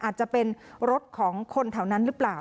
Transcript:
อาจจะเป็นรถของคนแถวนั้นหรือเปล่า